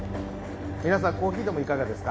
皆さんコーヒーでもいかがですか。